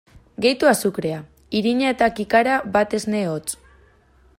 Gehitu azukrea, irina eta kikara bat esne hotz.